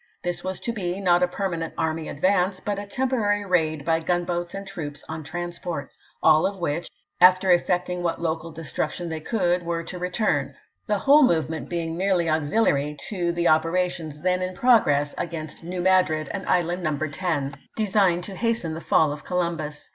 This was to be, not a permanent army advance, but a tem porary raid by gunboats and troops on transports ; ^oilnV all of which, after effecting what local destruction isl^'' w\. they could, were to return — the whole movement p.' 674. " being merely auxiliary to the operations then in progress against New Madrid and Island No. 10, 312 ABRAHAM LINCOLN ch. xvtii. designed to hasten the fall of Columbus.